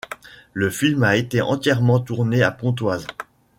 Le film a été entièrement tourné à Pontoise.